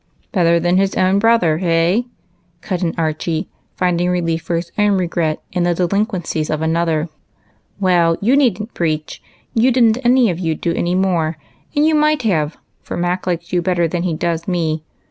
" Better than his own brother, hey ?" cut in Archie, finding relief for his own regret in the delinquencies of another. 134 EIGHT COUSINS. " Well, you need n't preach ; you did n't any of you do any more, and you might have, for Mac likes you better than he does me.